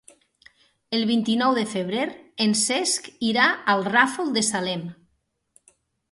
El vint-i-nou de febrer en Cesc irà al Ràfol de Salem.